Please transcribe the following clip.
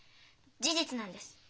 事実なんです。